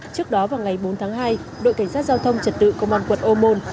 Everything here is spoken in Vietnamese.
trước đó vào ngày bốn tháng hai đội cảnh sát giao thông trật tự công an quận ô môn